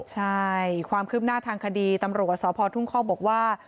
ใช่ความคืบหน้าทางคดีตำรวจสพทุ่งคอกบอกว่า